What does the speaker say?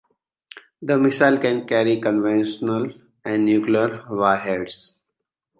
The missile can carry conventional and nuclear warheads.